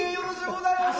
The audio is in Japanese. ございます。